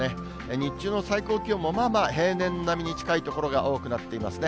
日中の最高気温もまあまあ平年並みに近い所が多くなっていますね。